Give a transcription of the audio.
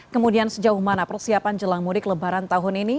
kemudian sejauh mana persiapan jelang mudik lebaran tahun ini